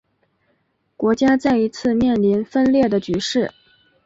国家再一次面临分裂的局势。